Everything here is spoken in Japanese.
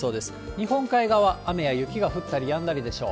日本海側、雨や雪が降ったりやんだりでしょう。